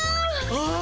ああ！